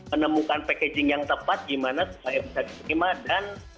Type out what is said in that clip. menemukan packaging yang tepat gimana supaya bisa diterima dan